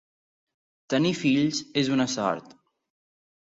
Tenir fills és una sort.